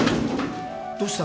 どうした？